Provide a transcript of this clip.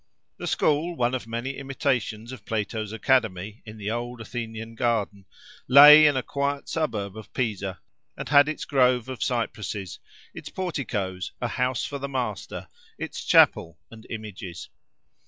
The school, one of many imitations of Plato's Academy in the old Athenian garden, lay in a quiet suburb of Pisa, and had its grove of cypresses, its porticoes, a house for the master, its chapel and images.